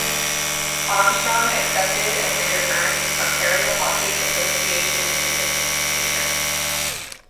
Armstrong accepted and later earned his Ontario Hockey Association certification.